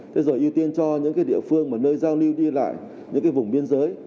thế rồi ưu tiên cho những địa phương nơi giao lưu đi lại những vùng biên giới